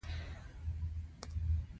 د ورځې یوه مڼه خوړل روغتیا ته ګټوره ده.